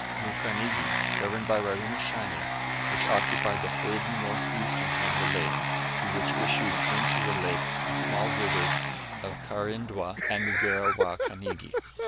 Mukanigi, governed by Warumashanya, which occupied the whole of the north eastern head of the lake, through which issued into the lake the small rivers of Karindwa and Mugera wa Kanigi.